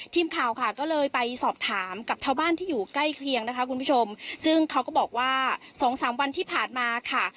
ทีมข่าวค่ะก็เลยไปสอบถามกับชาวบ้านที่อยู่ใกล้เคียงนะคะคุณผู้ชมซึ่งเขาก็บอกว่าสองสามวันที่ผ่านมาค่ะ